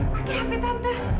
pakai hp tante